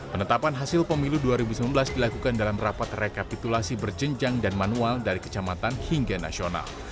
penetapan hasil pemilu dua ribu sembilan belas dilakukan dalam rapat rekapitulasi berjenjang dan manual dari kecamatan hingga nasional